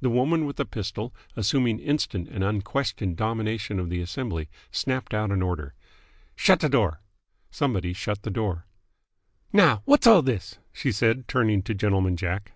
The woman with the pistol, assuming instant and unquestioned domination of the assembly, snapped out an order. "Shutatdoor!" Somebody shut the door. "Now, whassall this?" she said, turning to Gentleman Jack.